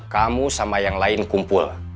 kamu sama yang lain kumpul